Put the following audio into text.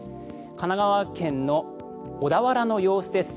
神奈川県の小田原の様子です。